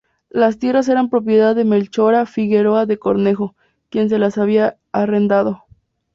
Las tierras eran propiedad de Melchora Figueroa de Cornejo, quien se las había arrendado.